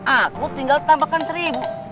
aku tinggal tambahkan seribu